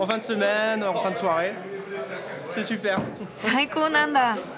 最高なんだ。